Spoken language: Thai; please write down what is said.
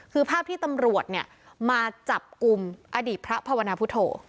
คือภาพที่ตำรวจมาจับกุมอดีตพระพวนภุโฑ